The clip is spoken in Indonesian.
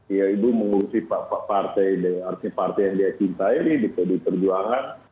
ibu mengurusi partai yang dia cintai di perjuangan